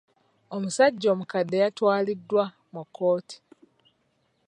Omusajja omukadde yatwaliddwa mu kkooti.